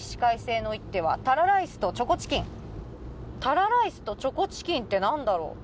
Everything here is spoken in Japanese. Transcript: タラライスとチョコチキンって何だろう？